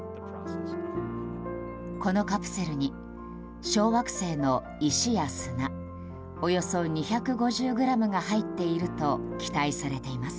このカプセルに小惑星の石や砂およそ２５０ｇが入っていると期待されています。